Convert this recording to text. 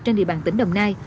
trên địa bàn tỉnh đồng nai